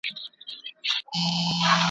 نه مي نظم سوای لیکلای نه مي توري سوای لوستلای .